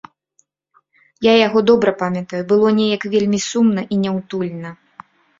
Я яго добра памятаю, было неяк вельмі сумна і няўтульна.